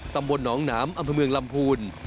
ตำบลหนองหนามอำเภอเมืองลำพูน